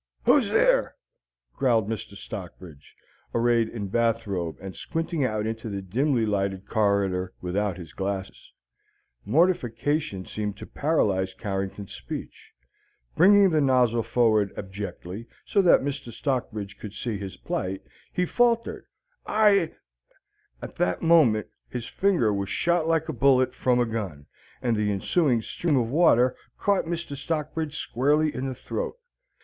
"Who's there?" growled Mr. Stockbridge, arrayed in a bath robe and squinting out into the dimly lighted corridor without his glasses. Mortification seemed to paralyze Carrington's speech. Bringing the nozzle forward abjectly, so that Mr. Stockbridge could see his plight, he faltered: "I " At that moment his finger was shot like a bullet from a gun, and the ensuing stream of water caught Mr. Stockbridge squarely in the throat.